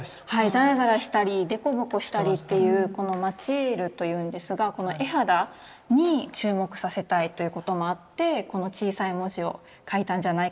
ザラザラしたりでこぼこしたりというこのマチエールというんですがこの絵肌に注目させたいということもあってこの小さい文字を描いたんじゃないかなって。